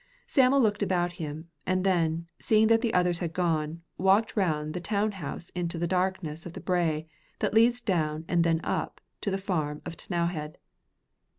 Sam'l looked about him, and then, seeing that the others had gone, walked round the town house into the darkness of the brae that leads down and then up to the farm of T'nowhead.